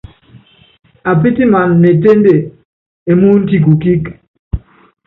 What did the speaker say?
Apítiman ne ténde emúny ti kukíík.